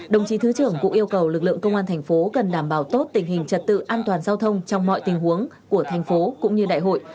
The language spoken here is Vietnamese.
đồng chí thứ trưởng cũng yêu cầu lực lượng công an thành phố cần đảm bảo tốt tình hình trật tự an toàn giao thông trong mọi tình huống của thành phố cũng như đại hội